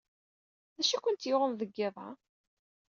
D acu ay kent-yuɣen deg yiḍ-a?